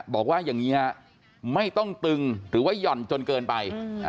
บอกว่าอย่างนี้ฮะไม่ต้องตึงหรือว่าหย่อนจนเกินไป